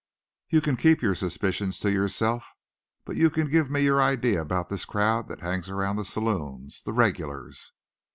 "You can keep your suspicions to yourself. But you can give me your idea about this crowd that hangs round the saloons, the regulars."